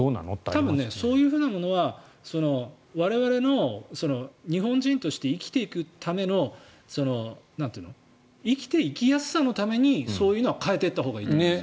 多分、そういうものは我々の日本人として生きていくための生きていきやすさのためにそういうのを変えていったほうがいいと思います。